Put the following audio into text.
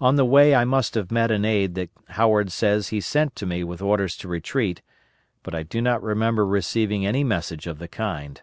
On the way I must have met an aide that Howard says he sent to me with orders to retreat, but I do not remember receiving any message of the kind.